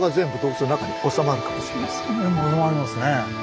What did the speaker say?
収まりますね。